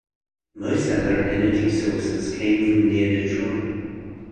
Most other energy sources came from near Detroit.